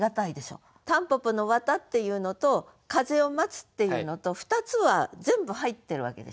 蒲公英の「絮」っていうのと「風を待つ」っていうのと２つは全部入ってるわけでしょ。